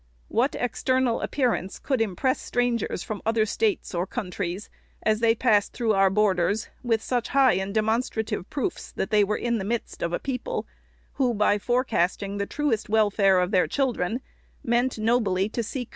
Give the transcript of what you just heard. What external appearance could impress strangers from other States or Countries, as they passed through our borders, with such high and demonstrative proofs, that they were in the midst of a people, who, by forecasting the truest welfare of their children, meant nobly to seek ON SCHOOLHOUSES.